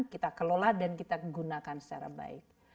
kita kelola dan kita gunakan secara baik